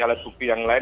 alat bukti yang lain